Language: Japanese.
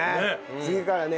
次からね